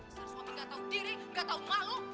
besar suami nggak tahu diri nggak tahu malu